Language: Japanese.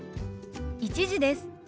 １時です。